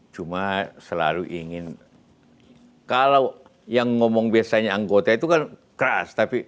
cuma selalu ingin kalau yang ngomong biasanya anggota itu kan keras tapi